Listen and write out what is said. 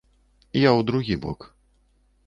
Я ў другі бок.